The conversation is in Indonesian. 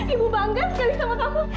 ibu bangga sekali sama kamu